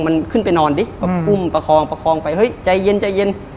มันขึ้นไปนอนดิอุ้มประคองไปเฮ้ยใจเย็น